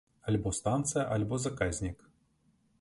Альбо станцыя, альбо заказнік.